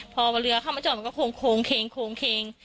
พอเรือเข้ามาจอดมันก็โค้งเคง